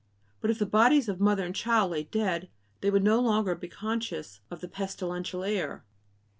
But if the bodies of mother and child lay dead, they would no longer be conscious of the pestilential air.